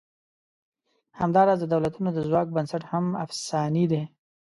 همدا راز د دولتونو د ځواک بنسټ هم افسانې دي.